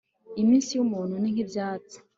iminsi y'umuntu ni nk'ibyatsi